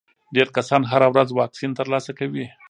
ډېر کسان هره ورځ واکسین ترلاسه کوي.